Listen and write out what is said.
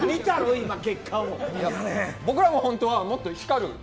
僕らも本当は、もっと光る。